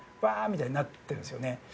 みたいになってるんですよね。